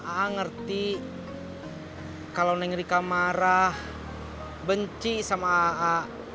aa ngerti kalau neng rika marah benci sama aa